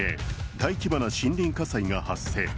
大規模な森林火災が発生。